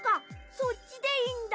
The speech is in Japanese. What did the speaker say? そっちでいいんだ。